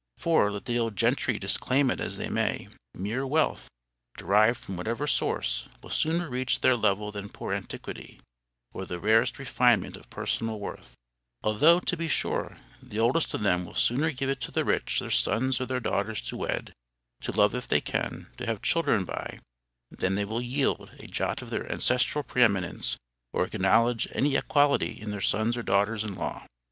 For, let the old gentry disclaim it as they may, mere wealth, derived from whatever source, will sooner reach their level than poor antiquity, or the rarest refinement of personal worth; although, to be sure, the oldest of them will sooner give to the rich their sons or their daughters to wed, to love if they can, to have children by, than they will yield a jot of their ancestral preeminence, or acknowledge any equality in their sons or daughters in law.